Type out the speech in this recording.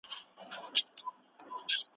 پانګه کله ناکله د سياسي بېثباتۍ له امله کمزوريږي.